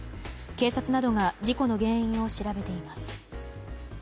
警察などが事故の原因を調べています。